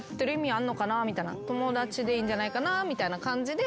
友達でいいんじゃないかなぁみたいな感じで。